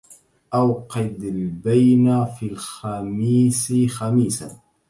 أوقد البين في الخميس خميسا